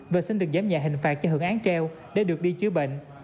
và xin được giám nhạc hình phạt cho hưởng án treo để được đi chứa bệnh